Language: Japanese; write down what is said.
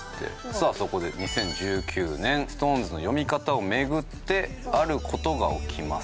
さあそこで２０１９年ＳｉｘＴＯＮＥＳの読み方を巡ってある事が起きます。